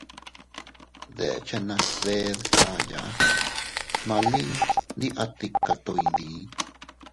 Dechenas bee dkaya ma lin ndi a tika to iydii.